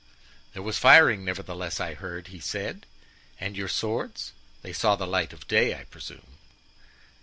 "'There was firing, nevertheless, I heard,' he said; 'and your swords—they saw the light of day, I presume?